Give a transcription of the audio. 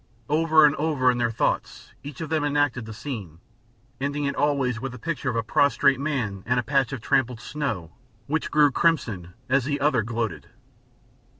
Over and over in their thoughts each of them enacted the scene, ending it always with the picture of a prostrate man in a patch of trampled snow which grew crimson as the other gloated.